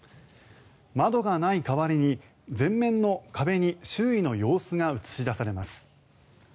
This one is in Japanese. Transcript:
窓がない代わりに、前面の壁に周囲の様子が映し出されます。